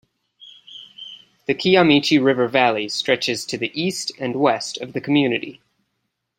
The Kiamichi River valley stretches to the east and west of the community.